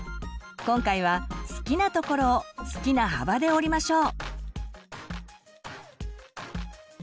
今回は好きなところを好きな幅で折りましょう。